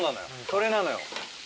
それなのよ。